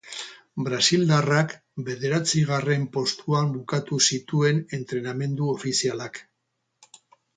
Brasildarrak bederatzigarren postuan bukatu zituen entrenamendu ofizialak.